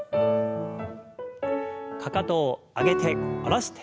かかとを上げて下ろして上げて。